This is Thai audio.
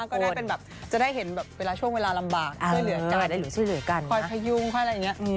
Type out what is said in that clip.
ก็ได้เห็นช่วงเวลาลำบากข้อยเหลือกันข่อยพยุงข้อยอะไรอย่างนี้